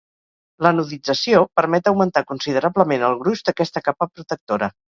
L'anodització permet augmentar considerablement el gruix d'aquesta capa protectora.